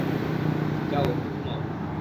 যাও একটু ঘুমাও।